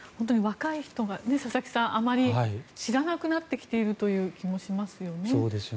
若い人があまり知らなくなってきている気もしますよね。